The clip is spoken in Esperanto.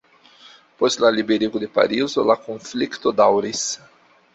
Post la liberigo de Parizo, la konflikto daŭris.